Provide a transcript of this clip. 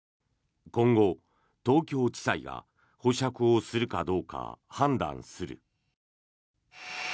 今後、東京地裁が保釈をするかどうか判断する。